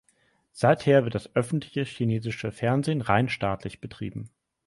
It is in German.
Seither wird das öffentliche chinesische Fernsehen rein staatlich betrieben.